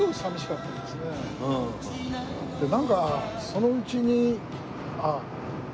なんかそのうちにああ。